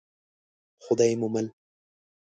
خدای مو مل.